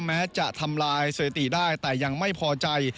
แม้จะทำลายสถิติได้แต่ยังไม่พอใจ